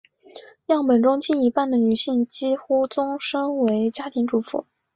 样本中近一半的女性几乎终生做家庭主妇。